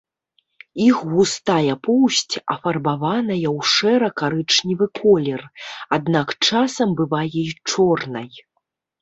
Іх густая поўсць афарбаваная ў шэра-карычневы колер, аднак часам бывае і чорнай.